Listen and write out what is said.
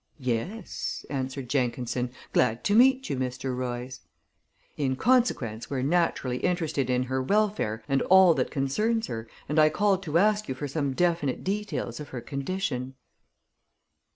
"Yes," answered Jenkinson. "Glad to meet you, Mr. Royce." "In consequence, we're naturally interested in her welfare and all that concerns her, and I called to ask you for some definite details of her condition."